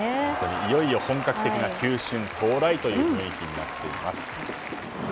いよいよ本格的な球春到来という雰囲気になっています。